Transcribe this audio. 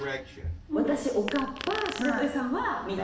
私おかっぱ白鳥さんは。